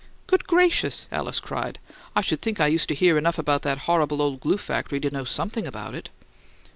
"Good gracious!" Alice cried. "I should think I used to hear enough about that horrible old glue factory to know something about it!"